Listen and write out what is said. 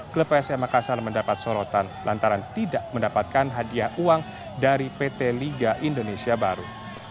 klub psm makassar mendapat sorotan lantaran tidak mendapatkan hadiah uang dari pt liga indonesia baru